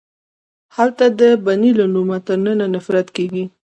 هلته د بنې له نومه تر ننه نفرت کیږي